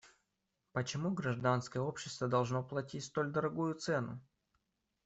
Почему гражданское общество должно платить столь дорогую цену?